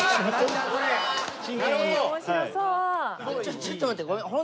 ちょっと待ってごめん。